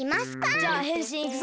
じゃあへんしんいくぞ！